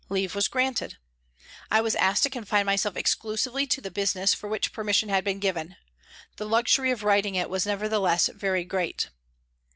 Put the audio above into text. Leave was granted. I was asked to confine myself exclusively to the " business " for which permission had been given; the luxury of writing it was nevertheless very great.